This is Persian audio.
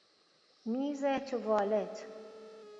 میز توالت